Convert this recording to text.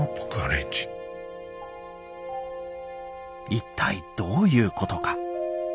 一体どういうことか。